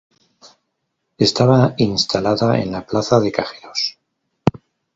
Estaba instalada en la plaza de Cajeros.